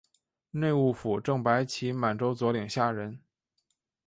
内务府正白旗满洲佐领下人。